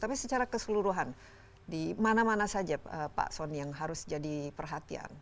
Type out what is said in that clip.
tapi secara keseluruhan di mana mana saja pak soni yang harus jadi perhatian